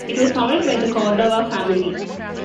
It was founded by the Cordova family.